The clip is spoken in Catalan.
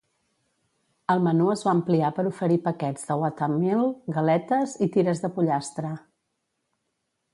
El menú es va ampliar per oferir paquets de Whatameal, galetes i tires de pollastre.